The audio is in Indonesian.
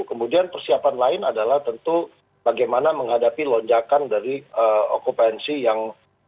kemudian persiapan lain adalah tentu bagaimana menghadapi lonjakan dari okupansi yang